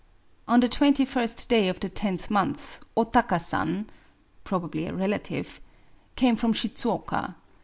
On the twenty first day of the tenth month, O Taka San [frobably a relative] came from Shidzuoka.